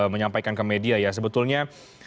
menyampaikan ke media ya sebetulnya